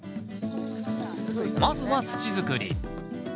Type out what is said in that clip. まずは土づくり。